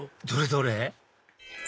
どれ？